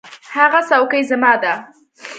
هغه څوکۍ زما ده.